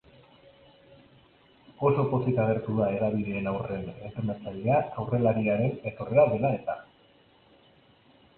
Oso pozik agertu da hedabideen aurren entrenatzailea aurrelariaren etorrera dela eta.